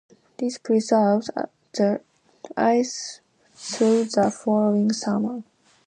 This preserved the ice through the following summer.